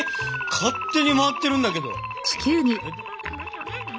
勝手に回ってるんだけど！